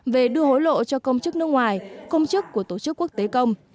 về đưa hối lộ cho công chức nước ngoài công chức của tổ chức quốc tế công